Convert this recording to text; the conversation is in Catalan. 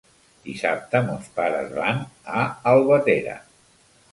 Dissabte mons pares van a Albatera.